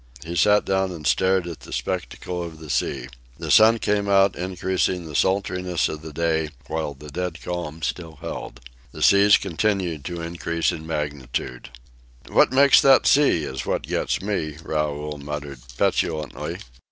He sat down and stared at the spectacle of the sea. The sun came out, increasing the sultriness of the day, while the dead calm still held. The seas continued to increase in magnitude. "What makes that sea is what gets me," Raoul muttered petulantly.